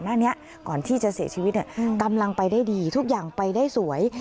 หน้านี้ก่อนที่จะเสียชีวิตกำลังไปได้ดีทุกอย่างไปได้สวย